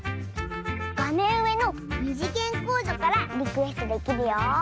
がめんうえのにじげんコードからリクエストできるよ！